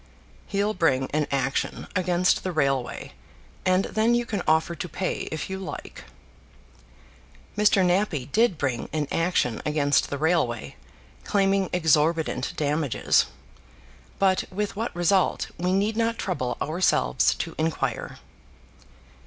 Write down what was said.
"He'll bring an action against the railway, and then you can offer to pay if you like." Mr. Nappie did bring an action against the railway, claiming exorbitant damages; but with what result, we need not trouble ourselves to inquire.